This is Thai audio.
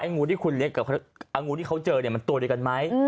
ไอ้งูที่คุณเลี้ยงกับงูที่เขาเจอมันตัวด้วยกันไหม